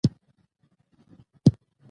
افغانستان د ژبو د ترویج لپاره پروګرامونه لري.